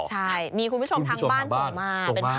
ใช่มีคุณผู้ชมทางบ้านส่งมา